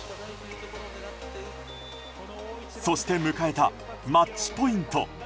そして迎えたマッチポイント。